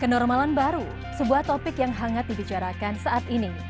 kenormalan baru sebuah topik yang hangat dibicarakan saat ini